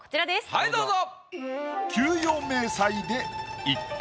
はいどうぞ。